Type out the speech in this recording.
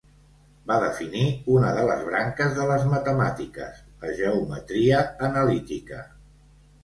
Va definir una de les branques de les matemàtiques, la geometria analítica.